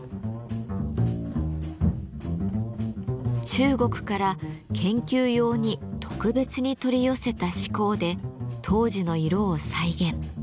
中国から研究用に特別に取り寄せた紫鉱で当時の色を再現。